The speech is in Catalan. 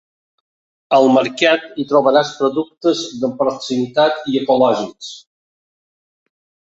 Al mercat hi trobaràs productes de proximitat i ecològics.